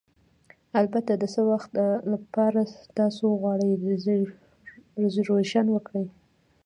البته، د څه وخت لپاره تاسو غواړئ ریزرویشن وکړئ؟